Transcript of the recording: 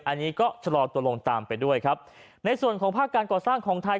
อันนี้ก็ชะลอตัวลงตามไปด้วยครับในส่วนของภาคการก่อสร้างของไทย